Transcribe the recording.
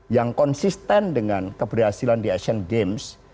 yang konsisten dengan keberhasilan di asian games